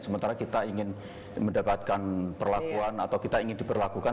sementara kita ingin mendapatkan perlakuan atau kita ingin diperlakukan